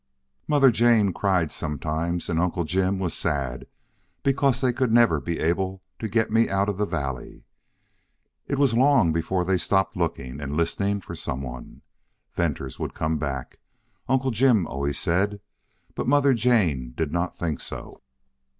Mother Jane cried sometimes and Uncle Jim was sad because they could never be able to get me out of the valley. It was long before they stopped looking and listening for some one. Venters would come back, Uncle Jim always said. But Mother Jane did not think so.